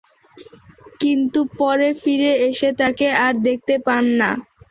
কিন্তু পরে ফিরে এসে তাকে আর দেখতে পান না।